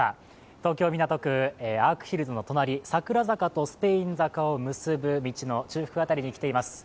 東京・港区、アークヒルズの隣、桜坂とスペイン坂を結り中腹辺りに来ています。